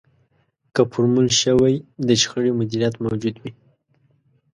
که فورمول شوی د شخړې مديريت موجود وي.